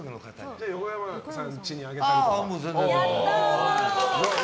じゃあ、横山さんちにあげたりとか。